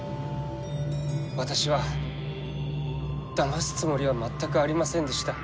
私はだますつもりは全くありませんでした。